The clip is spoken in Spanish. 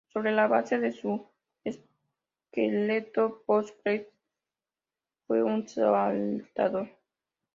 Sobre la base de su esqueleto postcraneal "S. gracilis" fue un saltador.